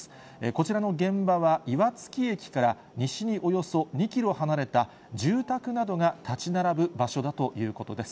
こちらの現場は、岩槻駅から西におよそ２キロ離れた住宅などが建ち並ぶ場所だということです。